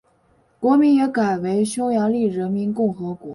国名也改为匈牙利人民共和国。